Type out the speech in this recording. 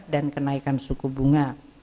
dan kenaikan suku bunga